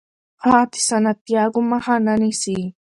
هغه د سانتیاګو مخه نه نیسي.